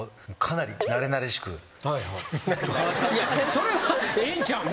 それはええんちゃうん？